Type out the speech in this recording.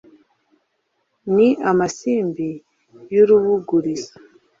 ni amasimbi y’urubugurizo,